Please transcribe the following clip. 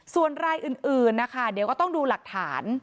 ส่วนรายอื่นนะคะเดี๋ยวก็ต้องดูหลักฐาน